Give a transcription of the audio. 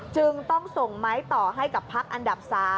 จึงต้องส่งไม้ต่อให้กับพักอันดับ๓